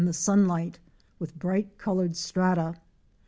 the sunlight with bright colored strata.